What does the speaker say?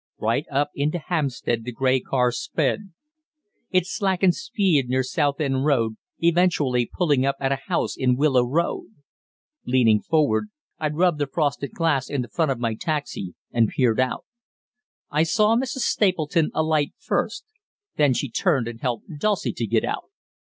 Right up into Hampstead the grey car sped. It slackened speed near Southend Road, eventually pulling up at a house in Willow Road. Leaning forward, I rubbed the frosted glass in the front of my taxi, and peered out. I saw Mrs. Stapleton alight first; then she turned and helped Dulcie to get out.